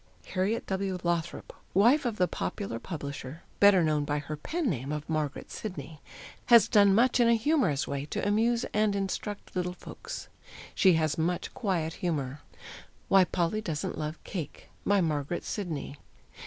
_Harriette W. Lothrop, wife of the popular publisher better known by her pen name of "Margaret Sidney" has done much in a humorous way to amuse and instruct little folks. She has much quiet humor. WHY POLLY DOESN'T LOVE CAKE! BY MARGARET SIDNEY.